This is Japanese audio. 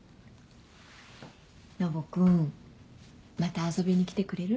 ノブ君また遊びに来てくれる？